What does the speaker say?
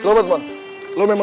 selamat mon lo memang jago